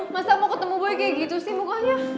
masa mau ketemu boy kayak gitu sih mukanya